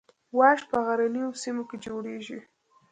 واش په غرنیو سیمو کې جوړیږي